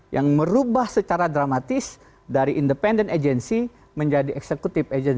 yang merubah secara dramatis dari independent agency menjadi executive agency